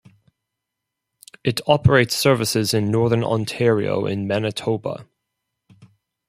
It operates services in northern Ontario and Manitoba.